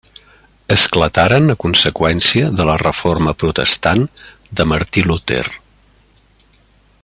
Esclataren a conseqüència de la reforma protestant de Martí Luter.